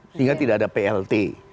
sehingga tidak ada plt